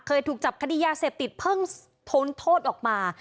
เคยถูกจับคดียาเสพติดเพิ่งพ้นโทษออกมา